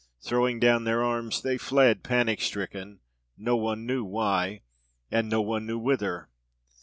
Throwing down their arms, they fled panic stricken, no one knew why, and no one knew whither.